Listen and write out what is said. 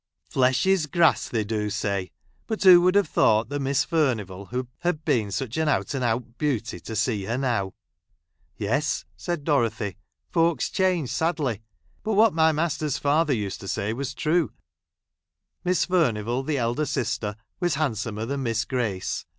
" Flesh is grass, they do say ; but who would have thought that Miss Fur nivall had been such an out and out beauty, to see her now ?" "Yes," said Dorothy. "Folks change sadly. But if what my master's father used I to say was true. Miss Furnivall, the elder I sister, was handsomer than Miss Grace.